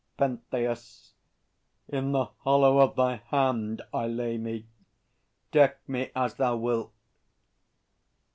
PENTHEUS. In the hollow of thy hand I lay me. Deck me as thou wilt.